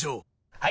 はい！